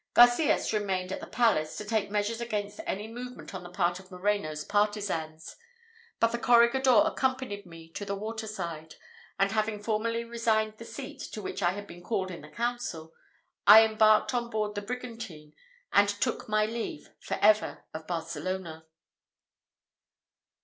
Garcias remained at the palace, to take measures against any movement on the part of Moreno's partizans; but the corregidor accompanied me to the water side: and having formally resigned the seat, to which I had been called in the council, I embarked on board the brigantine, and took leave, for ever of Barcelona.